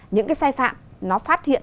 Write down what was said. những cái sai phạm nó phát hiện